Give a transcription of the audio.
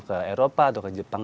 ke eropa atau ke jepang